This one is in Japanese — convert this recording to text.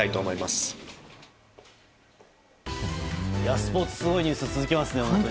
スポーツ、すごいニュースが続きますね。